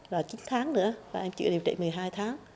và chín tháng nữa và em chịu điều trị một mươi hai tháng